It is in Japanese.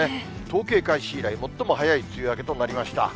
統計開始以来、最も早い梅雨明けとなりました。